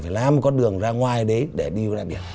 phải lam con đường ra ngoài để đi ra biển